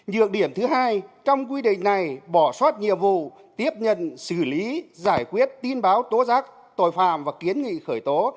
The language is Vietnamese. nhược điểm thứ hai trong quy định này bỏ sót nhiệm vụ tiếp nhận xử lý giải quyết tin báo tố giác tội phạm và kiến nghị khởi tố